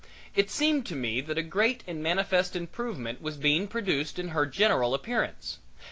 It seemed to me that a great and manifest improvement was produced in her general appearance.